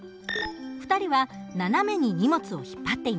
２人は斜めに荷物を引っ張っています。